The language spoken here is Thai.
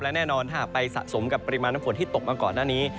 และแน่นอนถ้าไปสะสมกับปริมาณน้ำฝนที่ตกมาก่อนหน้านี้